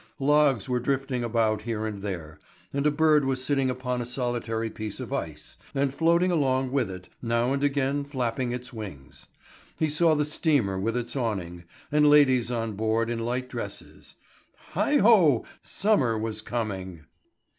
Logs were drifting about here and there, and a bird was sitting upon a solitary piece of ice, and floating along with it, now and again flapping its wings. He saw the steamer with its awning, and ladies on board in light dresses. Heigh ho! Summer was coming!